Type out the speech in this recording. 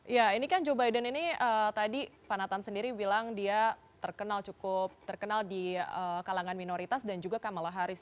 ya ini kan joe biden ini tadi pak nathan sendiri bilang dia cukup terkenal di kalangan minoritas dan juga kamala harris